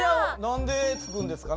何で？